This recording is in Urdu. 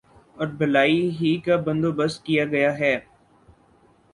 اور بھلائی ہی کا بندو بست کیا گیا ہے